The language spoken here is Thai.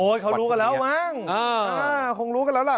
เขารู้กันแล้วมั้งคงรู้กันแล้วล่ะ